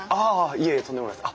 いえとんでもないです。